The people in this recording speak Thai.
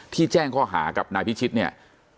แจ้งข้อหากับนายพิชิตเนี่ย